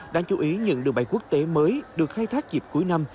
đáng chú ý những đường bay quốc tế mới được khai thác dịp cuối năm